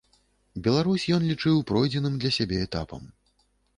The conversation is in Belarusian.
Беларусь ён лічыў пройдзеным для сябе этапам.